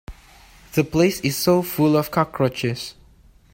The place is so full of cockroaches.